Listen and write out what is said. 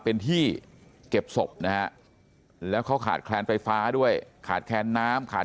เป็นที่เก็บศพนะฮะแล้วเขาขาดแคลนไฟฟ้าด้วยขาดแคลนน้ำขาด